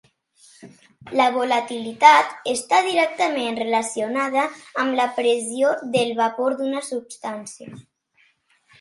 La volatilitat està directament relacionada amb la pressió del vapor d'una substància.